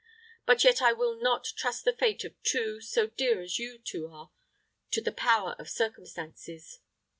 But yet I will not trust the fate of two, so dear as you two are, to the power of circumstances.